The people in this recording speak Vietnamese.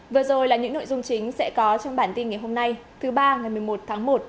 vừa rồi là những nội dung chính sẽ có trong bản tin ngày hôm nay thứ ba ngày một mươi một tháng một